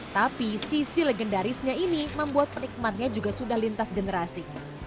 tapi sisi legendarisnya ini membuat penikmatnya juga sudah lintas generasi